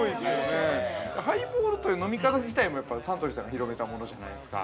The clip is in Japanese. ◆ハイボールという飲み方自体もサントリーさんが広めたものじゃないですか。